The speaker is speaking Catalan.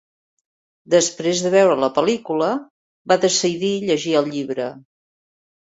Després de veure la pel·lícula va decidir llegir el llibre.